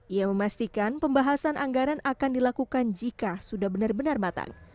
ia memastikan pembahasan anggaran akan dilakukan jika sudah benar benar matang